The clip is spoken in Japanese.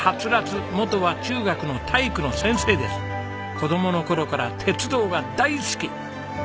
子供の頃から鉄道が大好き！